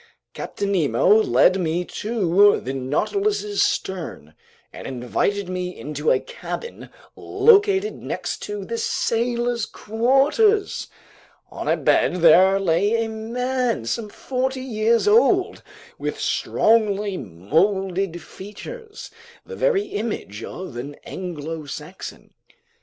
Captain Nemo led me to the Nautilus's stern and invited me into a cabin located next to the sailors' quarters. On a bed there lay a man some forty years old, with strongly molded features, the very image of an Anglo Saxon.